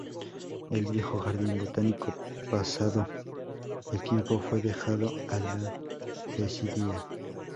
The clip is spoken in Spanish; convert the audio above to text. El viejo jardín botánico pasado el tiempo fue dejado a la desidia.